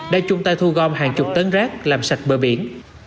đã chung tay thu gom hàng chục tấn rác làm sạch bờ biển